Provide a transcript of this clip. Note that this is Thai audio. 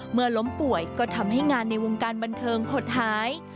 เมื่อล้มป่วยก็ทำให้งานในวงการบันเทิงหดหาย